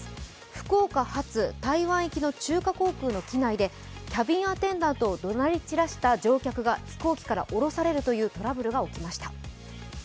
福岡発台湾行きの中華航空の機内でキャビンアテンダントをどなり散らした乗客が飛行機から降ろされるというトラブルが起きました。